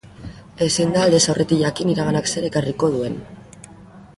Ezin da aldez aurretik jakin iraganak zer ekarriko duen.